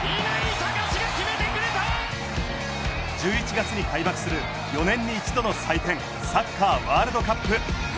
１１月に開幕する４年に一度の祭典サッカーワールドカップ。